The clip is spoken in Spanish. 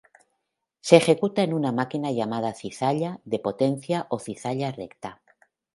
Se ejecuta en una máquina llamada cizalla de potencia o cizalla recta.